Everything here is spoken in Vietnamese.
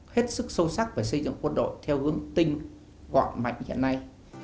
hết sức sâu sắc về xây dựng quân đội theo hướng tinh gọn mạnh như thế này